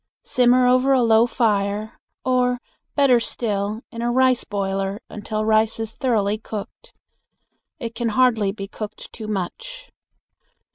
Simmer over a slow fire, or, better still, in a rice boiler until rice is thoroughly cooked. It can hardly be cooked too much.